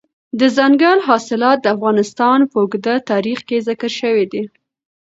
دځنګل حاصلات د افغانستان په اوږده تاریخ کې ذکر شوي دي.